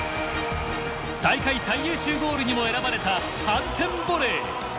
大会最優秀ゴールにも選ばれた反転ボレー。